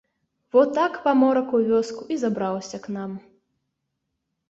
Во так паморак у вёску і забраўся к нам.